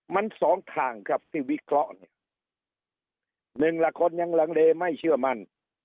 มันสองทางครับที่วิเคราะห์เนี่ยหนึ่งละคนยังลังเลไม่เชื่อมั่น